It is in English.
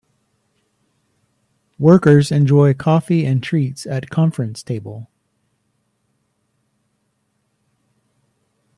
Workers enjoy coffee and treats at conference table.